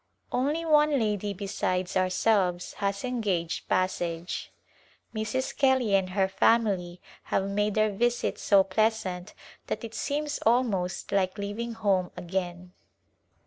Only one lady besides ourselves has engaged passage. Mrs. Kelly and her family have made our visit so pleasant that it seems almost like leaving home again.